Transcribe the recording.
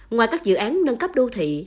ngoài các dự án nâng cấp đô thị